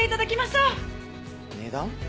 値段？